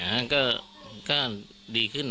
แม้นายเชิงชายผู้ตายบอกกับเราว่าเหตุการณ์ในครั้งนั้น